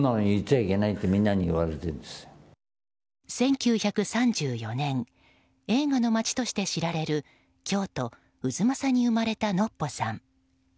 １９３４年映画の町として知られる京都・太秦に生まれたのっぽさん。